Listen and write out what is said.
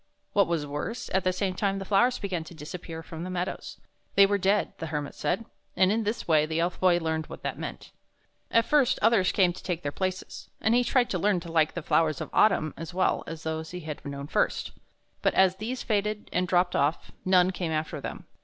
What was worse, at the same time the flowers began to disappear from the meadows. They were dead, the Hermit said, and in this way the Elf Boy learned what that meant. At first others came to take their places, and he tried to learn to like the flowers of autumn as well as those which he had known first. But as these faded and dropped off, none came after them.